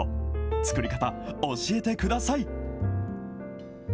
作り方、教えてください。